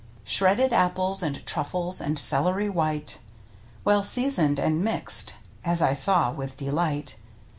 Shredded apples, and truffles, and celery white. Well seasoned and mixed, as I saw with delight.